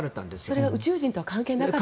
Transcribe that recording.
それは宇宙人とは関係がなかったと。